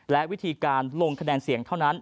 และวิธีการลงคะแนนเสียงเท่านั้น